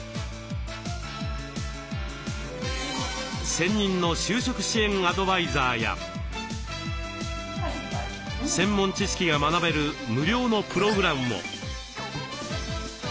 専任の就職支援アドバイザーや専門知識が学べる無料のプログラムも。